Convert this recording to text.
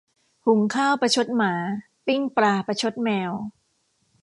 หุงข้าวประชดหมา ปิ้งปลาประชดแมว